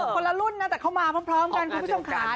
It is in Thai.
คนละรุ่นนะแต่เขามาพร้อมกัน